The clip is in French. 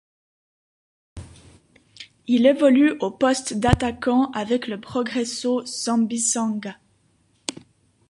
Il évolue au poste d'attaquant avec le Progresso Sambizanga.